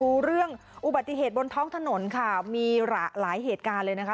ดูเรื่องอุบัติเหตุบนท้องถนนค่ะมีหลายหลายเหตุการณ์เลยนะคะ